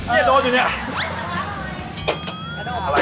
เนี่ยโดนอยู่เนี่ย